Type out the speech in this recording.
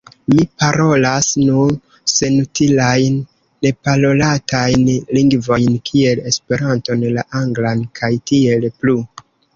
Mi parolas nur senutilajn, neparolatajn lingvojn kiel Esperanton, la anglan, kaj tiel plu.